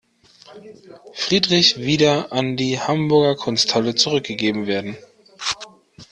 Friedrich wieder an die Hamburger Kunsthalle zurückgegeben werden.